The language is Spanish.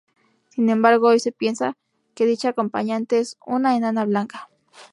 Sin embargo, hoy se piensa que dicha acompañante es una enana blanca.